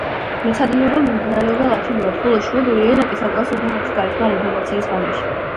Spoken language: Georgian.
მეცადინეობა მიმდინარეობდა ლათინურად, ხოლო შვედური ენა კი საკლასო ოთახებში გაისმა რეფორმაციის ხანაში.